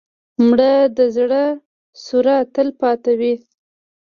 مړه د زړه سوره تل پاتې وي